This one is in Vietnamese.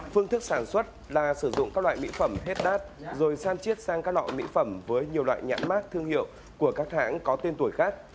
phương thức sản xuất là sử dụng các loại mỹ phẩm hết đát rồi san chiết sang các loại mỹ phẩm với nhiều loại nhãn mát thương hiệu của các hãng có tên tuổi khác